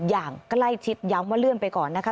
อย่างใกล้ชิดย้ำว่าเลื่อนไปก่อนนะคะ